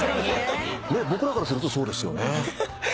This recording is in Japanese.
僕らからするとそうですよね。